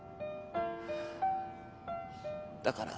だから。